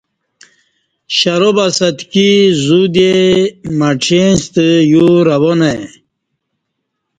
شراب اسہ اتکی زو دی مڄیں ستہ یو روان ای